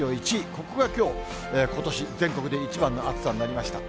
ここがきょう、ことし全国で一番の暑さになりました。